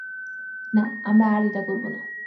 না, আমরা আর এটা করব না।